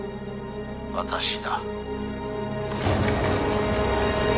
「私だ」